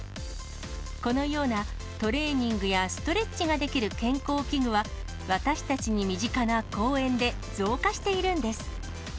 このような、トレーニングやストレッチができる健康器具は、私たちに身近な公園で増加しているんです。